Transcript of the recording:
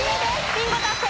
ビンゴ達成。